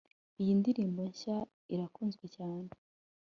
Iyi ndirimbo nshya irakunzwe cyane